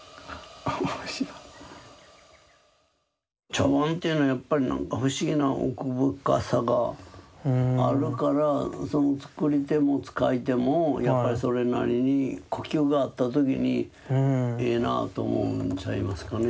茶碗っていうのはやっぱりなんか不思議な奥深さがあるからその作り手も使い手もやっぱりそれなりに呼吸が合った時にええなあと思うんちゃいますかね。